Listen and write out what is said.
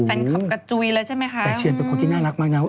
แฟนคลับกระจุยเลยใช่ไหมคะแต่เชียนเป็นคนที่น่ารักมากนะ